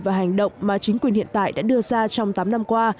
và hành động mà chính quyền hiện tại đã đưa ra trong tám năm qua